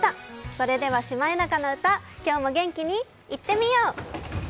それでは「シマエナガの歌」、今日も元気にいってみよう！